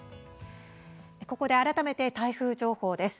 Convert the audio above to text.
ここで改めて台風情報です。